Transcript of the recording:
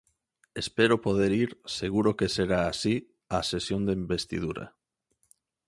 Espero poder ir, seguro que será así, á sesión de investidura.